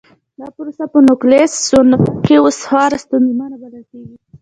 دا پروسه په نوګالس سونورا کې اوس خورا ستونزمنه بلل کېږي.